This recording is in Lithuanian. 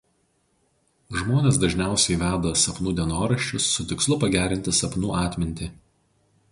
Žmonės dažniausiai veda sapnų dienoraščius su tikslu pagerinti sapnų atmintį.